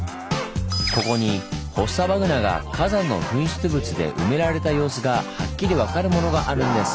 ここにフォッサマグナが火山の噴出物で埋められた様子がはっきり分かるものがあるんです。